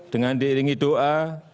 dengan diiringi doa